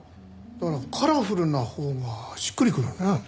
だから「カラフル」なほうがしっくりくるよね。